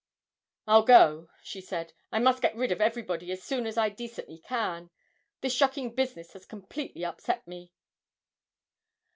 'I'll go,' she said. 'I must get rid of everybody as soon as I decently can this shocking business has completely upset me.'